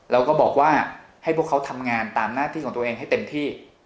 แล้วก็บอกว่าให้พวกเขาทำงานตามหน้าที่ของตัวเองให้เต็มที่